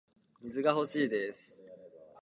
水が欲しいです